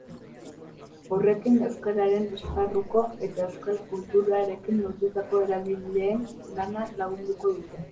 Horrekin, euskararen esparruko eta euskal kulturarekin lotutako eragileen lana lagunduko dute.